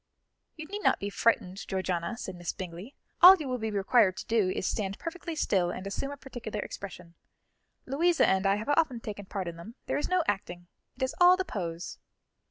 "You need not be frightened, Georgiana," said Miss Bingley; "all you will be required to do is to stand perfectly still and assume a particular expression. Louisa and I have often taken part in them; there is no acting, it is all the pose."